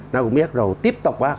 nó cũng biết rồi tiếp tục